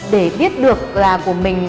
để biết được là của mình